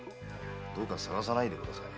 「どうか捜さないでください」